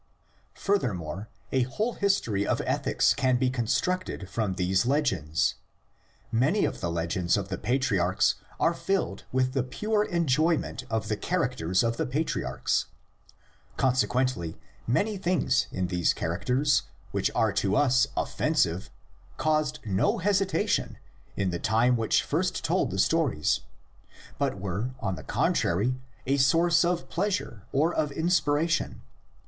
Furthermore, a whole history of ethics can be con structed from these legends. Many of the legends of the patriarchs are filled with the pure enjoyment of the characters of the patriarchs. Consequently many things in these characters which are to us 112 THK l.±.(iJ£J>IVi> Ul< UKJ>IJL^lii. offensive caused no hesitation in the time which first told the stories, but were, on the contrary, a source of pleasure or of inspiration.